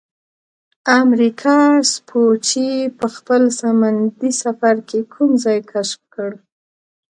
امریکا سپوچي په خپل سمندي سفر کې کوم ځای کشف کړ؟